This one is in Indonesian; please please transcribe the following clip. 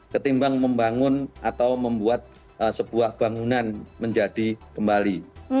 ketimbang membangun atau membuat sebuah bangunan menjadi kembali